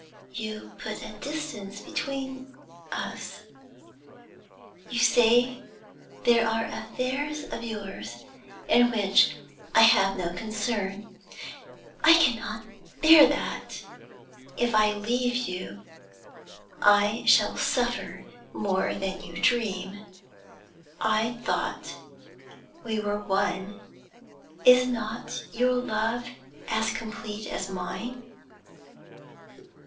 You put a distance between us you say there are affairs of yours in which I have no concern. I cannot bear that! If I leave you, I shall suffer more than you dream. I thought we were one. Is not your love as complete as mine?'